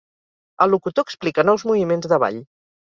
El locutor explica nous moviments de ball.